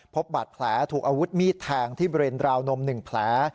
พบบาดแผลถูกอาวุธมีดแทงที่บริเวณราวนม๑แผล